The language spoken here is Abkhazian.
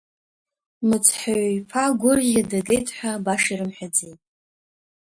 Мыцҳәаҩ-иԥа гәырӷьа дагеит ҳәа баша ирымҳәаӡеит.